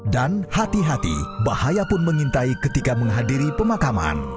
dan hati hati bahaya pun mengintai ketika menghadiri pemakaman